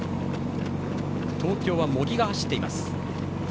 東京は茂木が走っています。